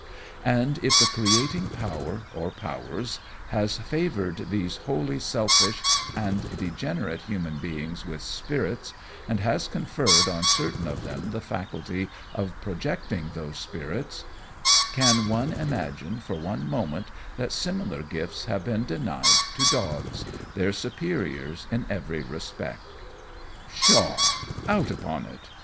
And if the creating Power (or Powers) has favoured these wholly selfish and degenerate human beings with spirits, and has conferred on certain of them the faculty of projecting those spirits, can one imagine, for one moment, that similar gifts have been denied to dogs their superiors in every respect? Pshaw! Out upon it!